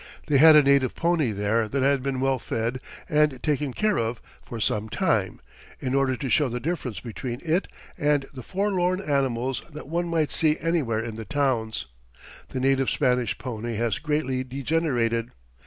They had a native pony there that had been well fed and taken care of for some time, in order to show the difference between it and the forlorn animals that one might see anywhere in the towns. The native Spanish pony has greatly degenerated.